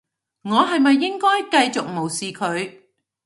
我係咪應該繼續無視佢？